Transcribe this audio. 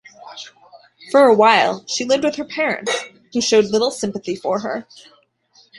For a while she lived with her parents, who showed little sympathy for her.